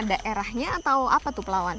daerahnya atau apa tuh pelawan